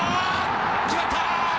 決まった！